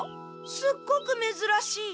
すっごくめずらしい！